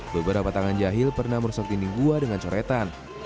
beberapa tangan jahil pernah merusak dinding gua dengan coretan